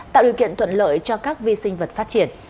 tạo điều kiện thuận lợi cho các vi sinh vật phát triển